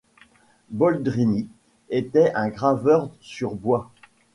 Boldrini était un graveur sur bois.